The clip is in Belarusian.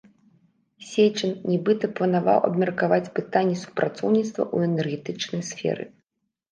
Сечын, нібыта, планаваў абмеркаваць пытанні супрацоўніцтва ў энергетычнай сферы.